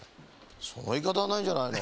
そのいいかたはないんじゃないの？